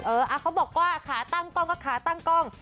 เขาบอกว่าขาตั้งกล้องก็ขาตั้งกล้อง